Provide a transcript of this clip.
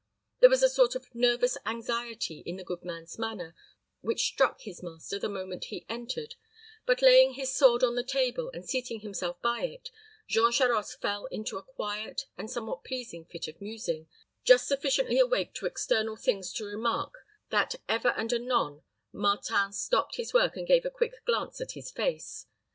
There was a sort of nervous anxiety in the good man's manner, which struck his master the moment he entered; but laying his sword on the table, and seating himself by it, Jean Charost fell into a quiet, and somewhat pleasing fit of musing, just sufficiently awake to external things to remark that ever and anon Martin stopped his work and gave a quick glance at his face.